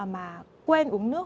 mà quên uống nước